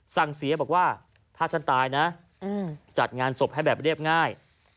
สั่งเสียบอกว่าถ้าฉันตายนะจัดงานศพให้แบบเรียบง่าย